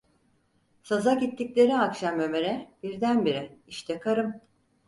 Saza gittikleri akşam Ömer’e birdenbire: "İşte karım!"